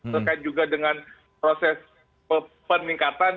terkait juga dengan proses peningkatan